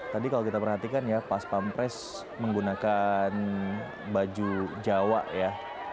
tadi kalau kita perhatikan ya pas pampres menggunakan baju jawa ya